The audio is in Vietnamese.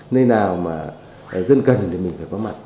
nơi nào mà dân cần thì mình phải có mặt